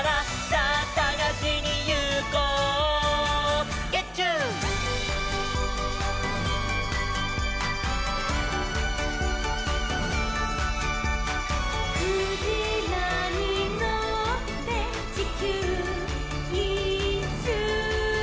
「さぁさがしにいこう」「ゲッチュー」「クジラにのってちきゅういっしゅう」